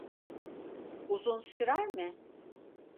Uzun sürer mi?